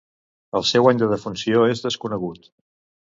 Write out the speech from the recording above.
El seu any de defunció és desconegut.